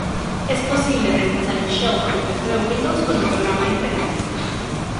Es posible reemplazar el "shell" por defecto de Windows con un programa diferente.